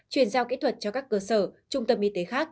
chuyển giao kỹ thuật cho các cơ sở trung tâm y tế khác